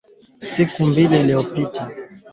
kwa dawa za kuua vijisumu